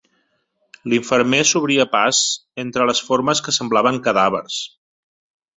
L'infermer s'obria pas entre les formes que semblaven cadàvers